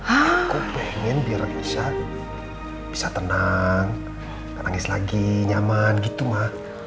aku pengen biar keisha bisa tenang gak nangis lagi nyaman gitu ma